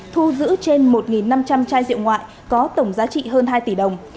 thu giữ trên một năm trăm linh chai rượu ngoại có tổng giá trị hơn hai tỷ đồng